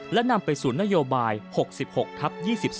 และนำไปสู่นโยบาย๖๖ทับ๒๒